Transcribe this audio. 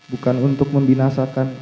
bukan untuk membinasakan